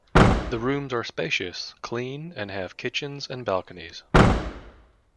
The rooms are spacious, clean and have kitchens and balconies.